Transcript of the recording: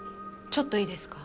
ちょっといいですか？